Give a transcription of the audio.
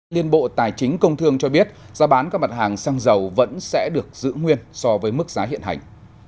liên bộ tài chính công thương cho biết giá bán các mặt hàng xăng dầu vẫn sẽ được giữ nguyên so với mức giá hiện hành